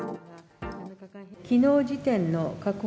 きのう時点の確保